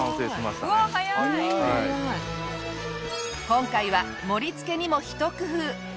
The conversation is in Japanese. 今回は盛り付けにも一工夫。